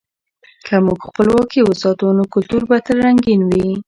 که موږ خپلواکي وساتو، نو کلتور به تل رنګین وي.